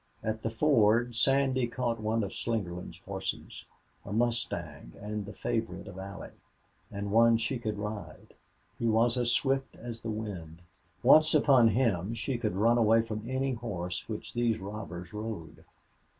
At the ford Sandy caught one of Slingerland's horses a mustang and a favorite of Allie's, and one she could ride. He was as swift as the wind. Once upon him, she could run away from any horse which these robbers rode.